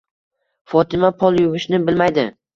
Fotima pol yuvishni bilmaydi.